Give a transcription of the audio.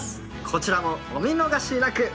こちらもお見逃しなく。